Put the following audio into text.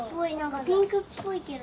ピンクっぽいけど。